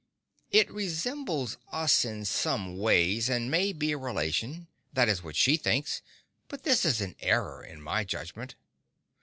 It resembles us in some ways, and may be a relation. That is what she thinks, but this is an error, in my judgment.